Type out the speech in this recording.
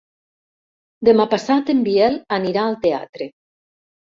Demà passat en Biel anirà al teatre.